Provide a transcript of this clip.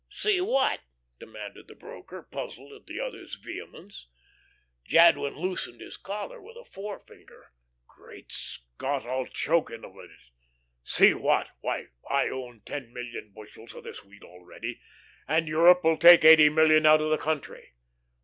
"See what?" demanded the broker, puzzled at the other's vehemence. Jadwin loosened his collar with a forefinger. "Great Scott! I'll choke in a minute. See what? Why, I own ten million bushels of this wheat already, and Europe will take eighty million out of the country.